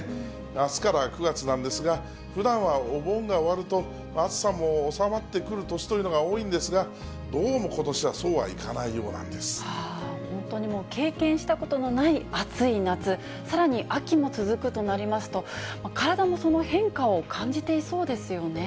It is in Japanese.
あすから９月なんですが、ふだんはお盆が終わると、暑さも収まってくる年というのが多いんですが、どうもことしはそ本当にもう、経験したことのない暑い夏、さらに秋も続くとなりますと、体もその変化を感じていそうですよね。